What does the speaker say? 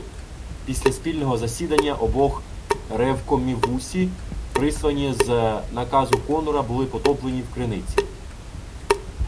Після спільного засідання обох ревкомівусі прислані з наказу Конура були потоплені в криниці.